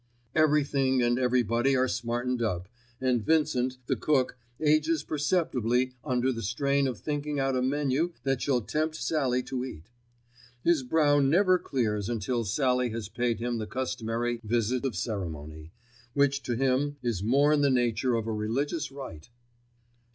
Everything and everybody are smartened up, and Vincent, the cook, ages perceptibly under the strain of thinking out a menu that shall tempt Sallie to eat. His brow never clears until Sallie has paid him the customary visit of ceremony, which to him is more in the nature of a religious rite.